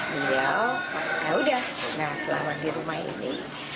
beliau ya udah nah selama di rumah ini